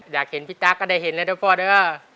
อยากเห็นพี่ตั๊กก็ได้เห็นแล้วเด้อพ่อเด้อ